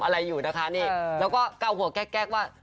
และก้วหัวแก๊ก